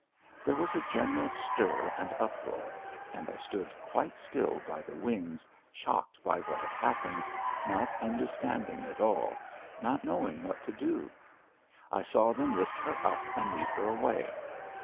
There was a general stir and uproar. And I stood quite still by the wings, shocked by what had happened, not understanding at all, not knowing what to do. I saw them lift her up and lead her away.